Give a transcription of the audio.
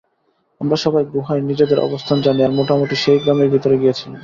আমরা সবাই গুহায় নিজেদের অবস্থান জানি আর মোটামুটি সেই ক্রমেই ভিতরে গিয়েছিলাম।